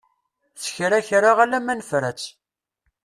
S kra kra alamma nefra-tt.